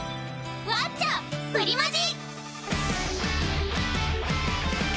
ワッチャプリマジ！